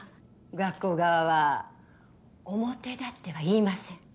学校側は表立っては言いません。